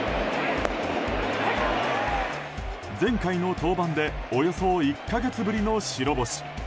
前回の登板でおよそ１か月ぶりの白星。